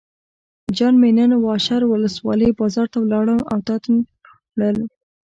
جان مې نن واشر ولسوالۍ بازار ته لاړم او تاته مې مچو راوړل.